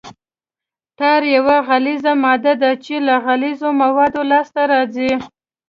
ټار یوه غلیظه ماده ده چې له عضوي موادو لاسته راځي